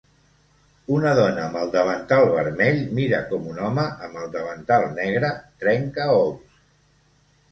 Una dona amb el davantal vermell mira com un home amb el davantal negre trenca ous.